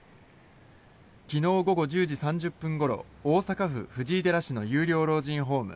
昨日午後１０時３０分ごろ大阪府藤井寺市の有料老人ホーム